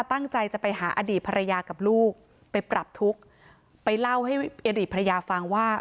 ตั้งใจจะไปหาอดีตภรรยากับลูกไปปรับทุกข์ไปเล่าให้อดีตภรรยาฟังว่า